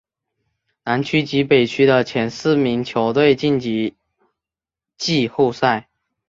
南区及北区的前四名球队晋级季后赛。